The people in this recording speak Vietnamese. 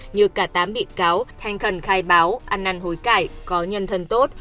như cả tám bị cáo hành khẩn khai báo ăn ăn hối cải có nhân thân tốt